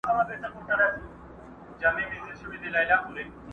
چي اوږدې غاړي لري هغه حلال که!